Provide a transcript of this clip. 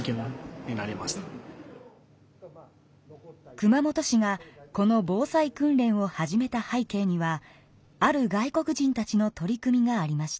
熊本市がこの防災訓練を始めたはい景にはある外国人たちの取り組みがありました。